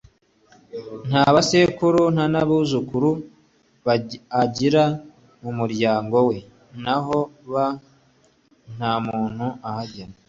nta ba sekuru, nta n'abuzukuru agira mu muryango we, n'aho aba, nta muntu uharangwa